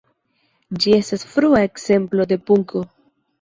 Ĝi estas frua ekzemplo de punko.